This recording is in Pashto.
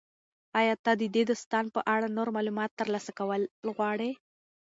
ایا ته د دې داستان په اړه نور معلومات ترلاسه کول غواړې؟